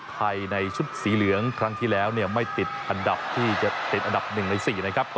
ใครในชุดสีเหลืองครั้งทีแล้วมันไม่ติดอันดับที่จะจะติด๑ใน๔นะครับ